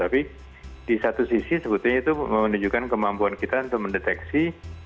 tapi di satu sisi sebetulnya itu menunjukkan kemampuan kita untuk mendeteksi